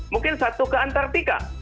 mungkin satu ke antartika